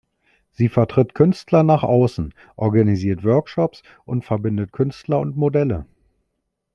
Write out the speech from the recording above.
Sie vertritt Künstler nach außen, organisiert Workshops und verbindet Künstler und Modelle.